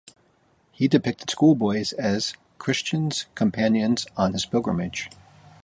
He depicted schoolboys as Christian's companions on his pilgrimage.